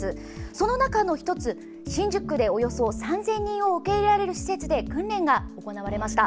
その中の１つ新宿区で、およそ３０００人を受け入れられる施設で訓練が行われました。